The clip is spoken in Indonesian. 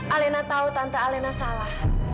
alena tahu tante alena salah